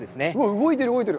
動いてる、動いてる。